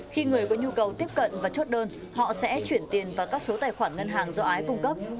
khi người có nhu cầu tiếp cận và chốt đơn họ sẽ chuyển tiền vào các số tài khoản ngân hàng do ái cung cấp